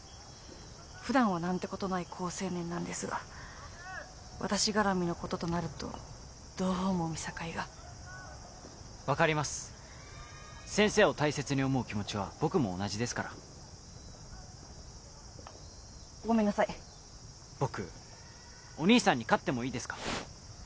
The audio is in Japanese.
普段は何てことない好青年なんですが私絡みのこととなるとどうも見境が分かります先生を大切に思う気持ちは僕も同じですからごめんなさい僕お兄さんに勝ってもいいですか？